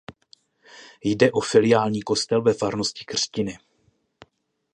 Jde o filiální kostel ve farnosti Křtiny.